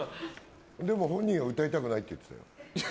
でも本人は歌いたくないって言ってたよ。